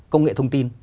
công nghệ thông tin